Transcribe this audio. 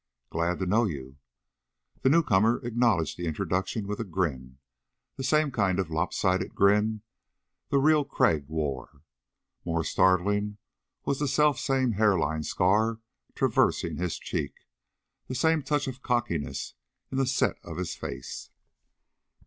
"Glad to know you." The newcomer acknowledged the introduction with a grin the same kind of lopsided grin the real Crag wore. More startling was the selfsame hairline scar traversing his cheek; the same touch of cockiness in the set of his face.